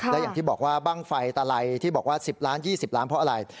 และอย่างที่บอกว่าบ้างไฟตลาย๑๐ล้าน๒๐ล้านเพราะอะไร